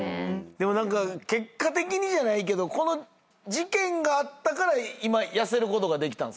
でも結果的にじゃないけどこの事件があったから今痩せることができたんですもんね。